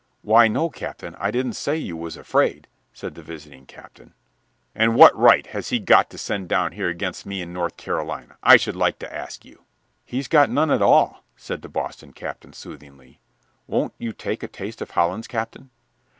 "Why, no, Captain, I didn't say you was afraid," said the visiting captain. "And what right has he got to send down here against me in North Carolina, I should like to ask you?" "He's got none at all," said the Boston captain, soothingly. "Won't you take a taste of Hollands, Captain?"